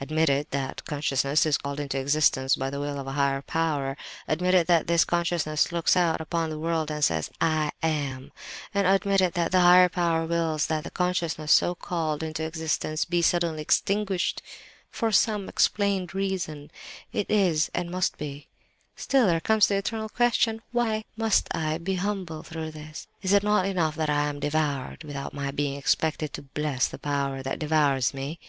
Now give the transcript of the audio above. "Admitted that consciousness is called into existence by the will of a Higher Power; admitted that this consciousness looks out upon the world and says 'I am;' and admitted that the Higher Power wills that the consciousness so called into existence, be suddenly extinguished (for so—for some unexplained reason—it is and must be)—still there comes the eternal question—why must I be humble through all this? Is it not enough that I am devoured, without my being expected to bless the power that devours me?